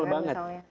udah kesel banget